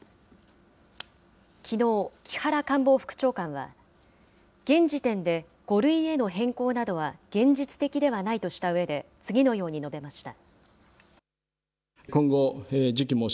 きのう、木原官房副長官は、現時点で５類への変更などは現実的ではないとしたうえで、次のように述べました。